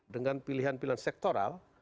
dengan pilihan pilihan sektoral